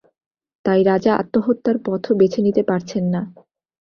তাই রাজা আত্মহত্যার পথও বেঁছে নিতে পারছেন না।